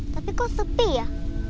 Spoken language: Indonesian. tapi kok sepi ya